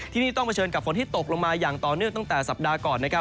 ที่นี่ต้องเผชิญกับฝนที่ตกลงมาอย่างต่อเนื่องตั้งแต่สัปดาห์ก่อนนะครับ